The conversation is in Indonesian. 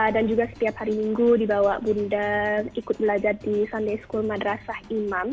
dan juga setiap hari minggu dibawa bunda ikut belajar di sunday school madrasah imam